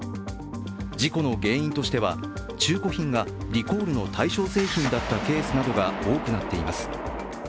事故の原因としては中古品がリコールの対象製品だったケースが多くなっています。